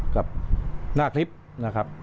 กับหน้าคลิปนะครับ